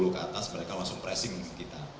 dua puluh ke atas mereka langsung pressing kita